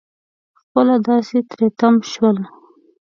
خپله داسې تری تم شول.